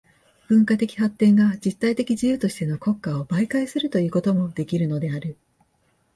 文化的発展が実体的自由としての国家を媒介とするということもできるのである。